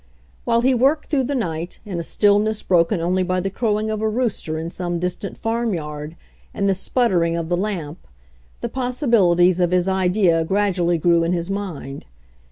While he worked through the night, in a still ness broken only by the crowing of a rooster in some distant farmyard and the sputtering of the lamp, the possibilities of his idea gradually grew in his mind.